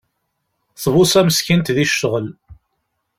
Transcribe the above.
Tbuṣa meskint di ccɣel.